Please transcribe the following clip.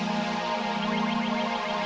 mari sini kita pergi